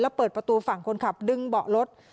แล้วเปิดประตูฝั่งคนขับดึงเบาะรถ